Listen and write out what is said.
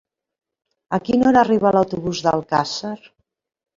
A quina hora arriba l'autobús d'Alcàsser?